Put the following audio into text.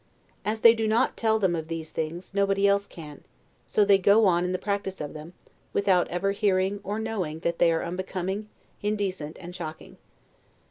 As they do not tell them of these things, nobody else can; so they go on in the practice of them, without ever hearing, or knowing, that they are unbecoming, indecent, and shocking.